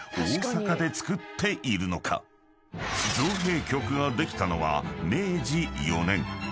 ［造幣局ができたのは明治４年］